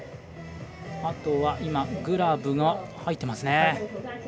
あとは今、グラブが入ってますね。